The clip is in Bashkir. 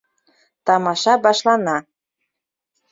Тамаша башлана!